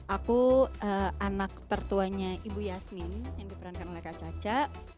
aku anak tertuanya ibu yasmin yang diperankan oleh kak caca